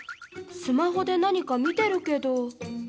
スマホで何か見てるけど。